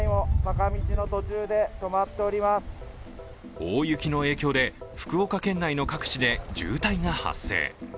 大雪の影響で福岡県内の各地で渋滞が発生。